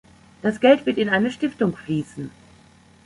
Das Geld wird in eine Stiftung fließen.